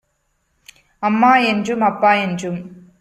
அம்மா என்றும் அப்பா என்றும்